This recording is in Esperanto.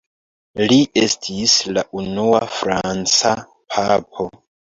Li estis la unua franca papo.